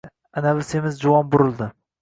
Anavi semiz juvon burildi.